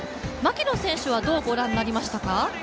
槙野選手はどう御覧になりましたか？